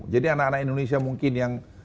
jadi anak anak indonesia mungkin yang